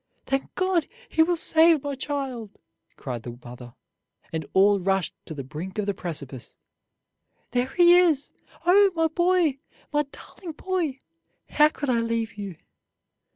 "Thank God, he will save my child!" cried the mother, and all rushed to the brink of the precipice; "there he is! Oh, my boy, my darling boy! How could I leave you?"